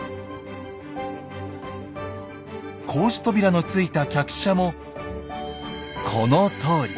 格子扉のついた客車もこのとおり。